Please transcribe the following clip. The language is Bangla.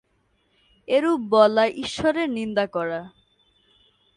এরূপ বলা ঈশ্বরের নিন্দা করা।